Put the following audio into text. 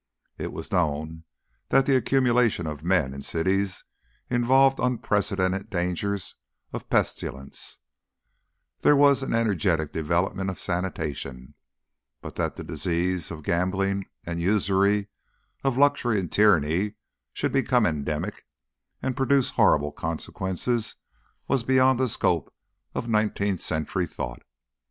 It was known that the accumulation of men in cities involved unprecedented dangers of pestilence; there was an energetic development of sanitation; but that the diseases of gambling and usury, of luxury and tyranny should become endemic, and produce horrible consequences was beyond the scope of nineteenth century thought.